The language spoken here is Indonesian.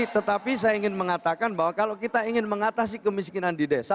tetapi saya ingin mengatakan bahwa kalau kita ingin mengatasi kemiskinan di desa